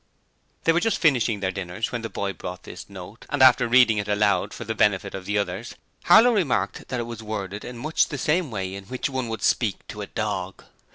They were just finishing their dinners when the boy brought this note; and after reading it aloud for the benefit of the others, Harlow remarked that it was worded in much the same way in which one would speak to a dog.